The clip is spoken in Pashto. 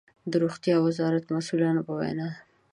د روغتيا وزارت مسؤلانو په وينا